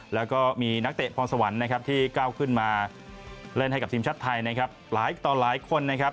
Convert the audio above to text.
แล้วก็มีนักเตะพร้อมสวรรค์ที่ก้าวขึ้นมาเล่นให้กับทีมชาติไทยหลายต่อหลายคน